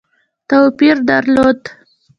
توپیر درلود.